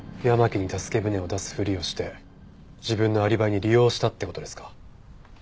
山木に助け船を出すふりをして自分のアリバイに利用したって事ですか？